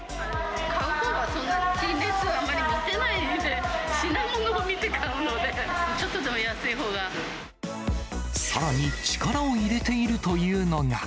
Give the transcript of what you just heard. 買うほうはそんな、陳列はあまり見てないので、品物を見て買うので、ちょっとでさらに、力を入れているというのが。